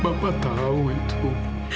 bapak tahu itu